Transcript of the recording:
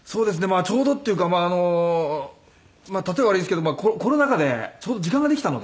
ちょうどっていうかまあ例え悪いんですけどコロナ禍でちょうど時間ができたので。